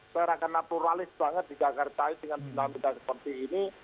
seberang naturalis banget di jakarta dengan dinamika seperti ini